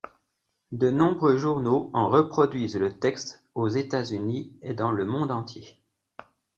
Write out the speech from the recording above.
De nombreux journaux en reproduisirent le texte, aux États-Unis et dans le monde entier.